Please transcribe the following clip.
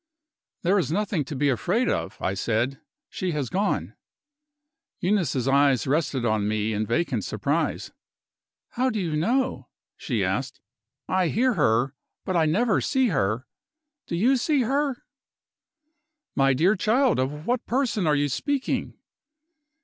"There is nothing to be afraid of," I said. "She has gone." Eunice's eyes rested on me in vacant surprise. "How do you know?" she asked. "I hear her; but I never see her. Do you see her?" "My dear child! of what person are you speaking?"